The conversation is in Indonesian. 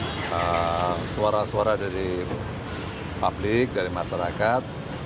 itu sudah baru suara suara dari publik dari masyarakat